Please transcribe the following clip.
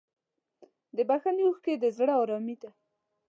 د بښنې اوښکې د زړه ارامي ده.